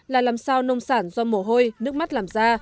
là làm sao nông sản do mồ hôi nước mắt làm ra